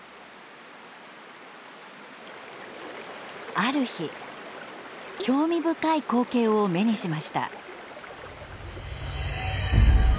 ある日興味深い光景を目にしました。